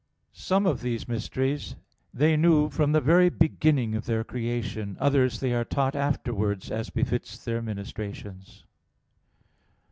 Some of these mysteries they knew from the very beginning of their creation; others they are taught afterwards, as befits their ministrations.